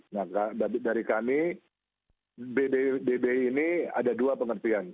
nah dari kami bbi ini ada dua pengertian